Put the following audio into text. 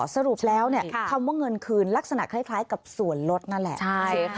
สรุปแล้วคำว่าเงินคืนลักษณะคล้ายกับส่วนลดนั่นแหละ